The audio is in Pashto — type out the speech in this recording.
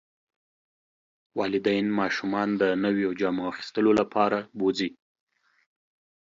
والدین ماشومان د نویو جامو اخیستلو لپاره بوځي.